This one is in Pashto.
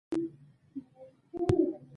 د بازار نشتوالی د حاصلاتو ضایع کېدو اصلي لامل دی.